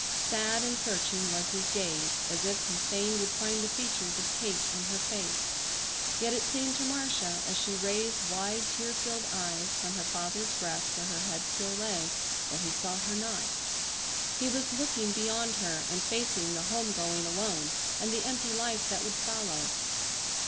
Sad and searching was his gaze, as if he fain would find the features of Kate in her face, yet it seemed to Marcia, as she raised wide tear filled eyes from her father's breast where her head still lay, that he saw her not. He was looking beyond her and facing the home going alone, and the empty life that would follow.